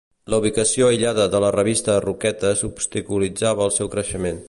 La ubicació aïllada de la revista a Roquetes obstaculitzava el seu creixement.